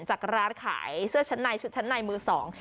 จากร้านขายเสื้อชั้นในชุดชั้นในมือสอง